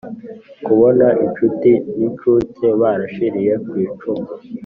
Kubon inshuti n'incuke barashiriye kw'icumu